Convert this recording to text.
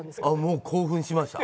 もう興奮しました。